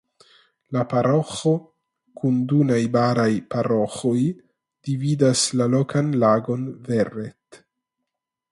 La paroĥo kun du najbaraj paroĥoj dividas la lokan lagon Verret.